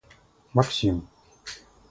Максим